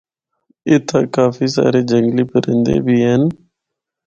اِتھا کافی سارے جنگلی پرندے بھی ہن۔